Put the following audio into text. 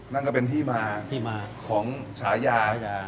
นั้นก็เป็นที่มาของฉายา